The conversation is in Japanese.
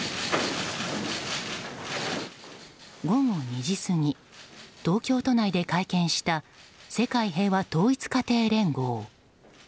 午後２時過ぎ東京都内で会見した世界平和統一家庭連合。